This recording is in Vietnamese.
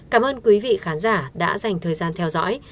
cảm ơn quý vị khán giả đã dành thời gian theo dõi